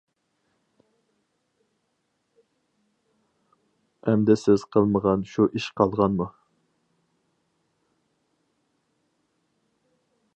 ئەمدى سىز قىلمىغان شۇ ئىش قالغانمۇ؟!